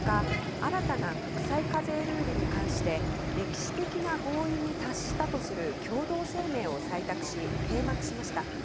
新たな国際課税ルールに関して歴史的な合意に達したとする共同声明を採択し閉幕しました。